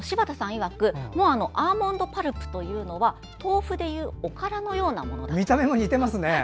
いわくアーモンドパルプというのは豆腐でいう、おからのようなもの。